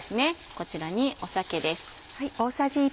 こちらに酒です。